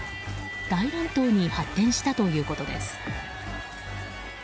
大乱闘に発展したということです。